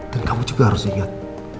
saya juga harus ingat